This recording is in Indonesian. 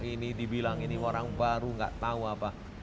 ini dibilang ini orang baru nggak tahu apa